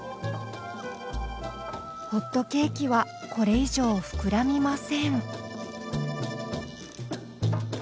ホットケーキはこれ以上膨らみません。